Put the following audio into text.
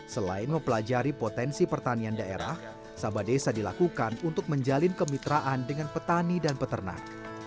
selain mempelajari potensi pertanian daerah sabah desa dilakukan untuk menjalin kemitraan dengan petani dan peternak